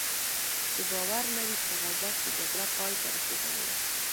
چې باور لري "په غزه کې جګړه پایته رسېدلې ده"